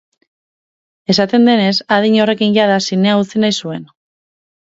Esaten denez, adin horrekin jada zinea utzi nahi zuen.